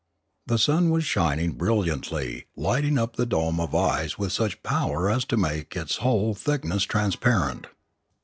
The sun was shining brill iantly, lighting up the dome of ice with such power as to make its whole thickness transparent.